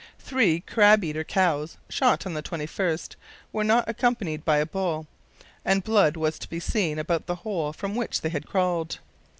Three crab eater cows shot on the 21st were not accompanied by a bull, and blood was to be seen about the hole from which they had crawled.